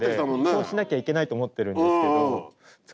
そうしなきゃいけないと思ってるんですけど作らなくても。